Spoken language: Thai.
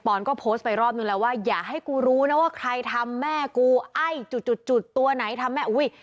อนก็โพสต์ไปรอบนึงแล้วว่าอย่าให้กูรู้นะว่าใครทำแม่กูไอ้จุดจุดตัวไหนทำแม่อุ้ย